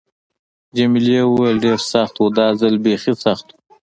جميلې وويل:: ډېر سخت و، دا ځل بیخي سخت و.